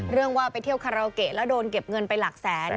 เรื่องว่าไปเที่ยวคาราโอเกะแล้วโดนเก็บเงินไปหลักแสน